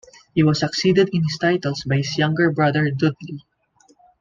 He was succeeded in his titles by his younger brother Dudley.